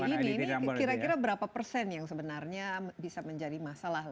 ini kira kira berapa persen yang sebenarnya bisa menjadi masalah